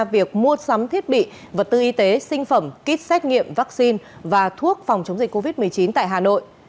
việc mua sắm thiết bị vật tư y tế sinh phẩm kit xét nghiệm vaccine và thuốc phòng chống dịch covid một mươi chín tại hà nội